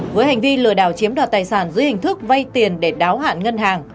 với hành vi lừa đào chiếm đoạt tài sản dưới hình thức vây tiền để đáo hạn ngân hàng